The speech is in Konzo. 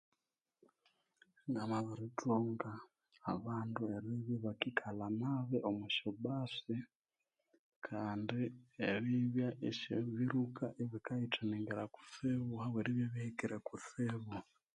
Namabirithunga abandu eribya ibakikalha nabi omo sya basi kandi eribya esya ebiruka ibikayinitgingiira kutsibu habwe ribya ibihekire kutsibu